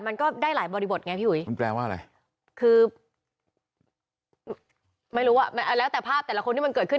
ไม่รู้อะจะล้างแต่ภาพแแต่ละคนเกิดขึ้น